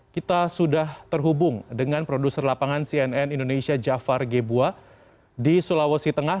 kita sudah terhubung dengan produser lapangan cnn indonesia jafar gebua di sulawesi tengah